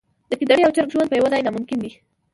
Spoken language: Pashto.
د ګیدړې او چرګ ژوند په یوه ځای ناممکن دی.